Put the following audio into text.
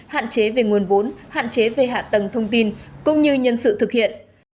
hạn chế về nguồn vốn hạn chế về hạ tầng thông tin cũng như nhân sự thực hiện